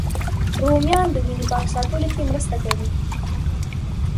رومیان د وینې پاک ساتلو کې مرسته کوي